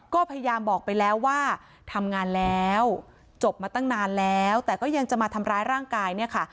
ก็พยายามบอกไปแล้วว่าทำงานแล้วจบมาตั้งนานแล้วแต่ก็ยังจะมาทำร้ายร่างกายเนี่ยค่ะ